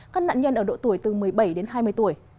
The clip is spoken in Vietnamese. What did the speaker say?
các nạn nhân ở độ tuổi từ một mươi bảy đến hai mươi tuổi